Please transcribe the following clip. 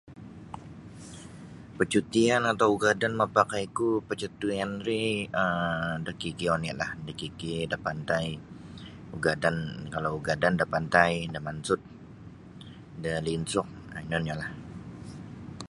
Percutian atau ugadan mapakaiku percutian ri um da KK onilah da KK da pantai kalau ugadan da pantai da Mansud da Linsuk um ino onilah.